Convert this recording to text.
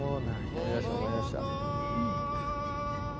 思い出した思い出した。